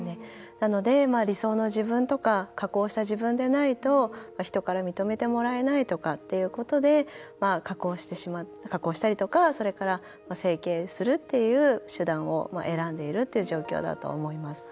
なので、理想の自分とか加工した自分でないと人から認めてもらえないとかということで加工したりとかそれから整形するっていう手段を選んでいるという状況だと思います。